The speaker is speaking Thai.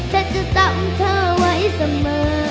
ฉันจะตามเธอไว้เสมอ